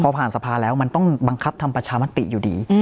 พอผ่านสภาแล้วมันต้องบังคับทำประชามติอยู่ดี